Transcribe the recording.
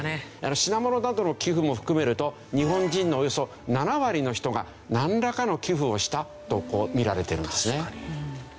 品物などの寄付も含めると日本人のおよそ７割の人がなんらかの寄付をしたとみられてるんですね。